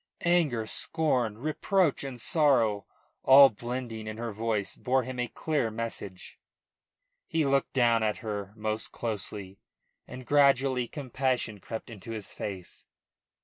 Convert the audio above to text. Anger, scorn, reproach and sorrow all blending in her voice bore him a clear message. He looked down at her most closely, and gradually compassion crept into his face.